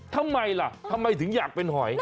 ทำไมล่ะทำไมถึงอยากเป็นหอย